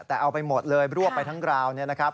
แต่เอาไปหมดเลยรวบไปทั้งกราวน์